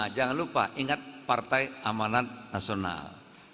jangan lupa ingat partai amanat nasional